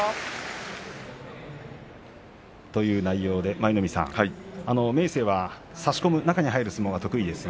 舞の海さん明生は差し込む、中に入る相撲が得意です。